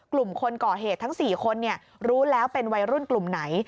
กลุ่มคนก่อเหตุทั้ง๔คนรู้แล้วเป็นวัยรุ่นกลุ่มไหน